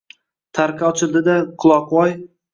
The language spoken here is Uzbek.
Tarqa ochildida quloqvoy